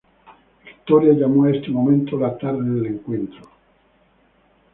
Victoria llamó a ese momento: "La tarde del encuentro".